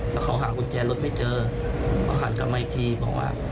แล้วเขาหากุญแจรถไม่เจอเขาหันกลับมาอีกทีบอกว่า